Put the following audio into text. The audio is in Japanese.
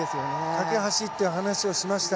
架け橋という話をしました。